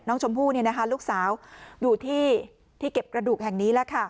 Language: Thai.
น้องชมพู่ลูกสาวอยู่ที่เก็บกระดูกแห่งนี้แล้วค่ะ